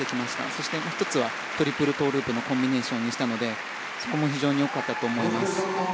そしてもう１つはトリプルトウループのコンビネーションにしたのでそこも非常に良かったと思います。